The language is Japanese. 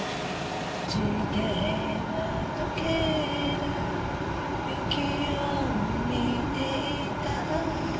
「落ちてはとける雪を見ていた」